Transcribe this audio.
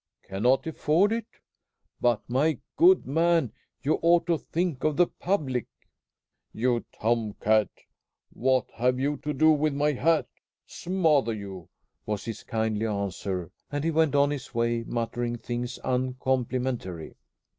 "Cannot afford it? But, my good man, you ought to think of the public." "You tom cat! What have you to do with my hat? Smother you!" was his kindly answer; and he went on his way muttering things uncomplimentary.